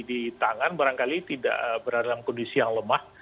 di tangan barangkali tidak berada dalam kondisi yang lemah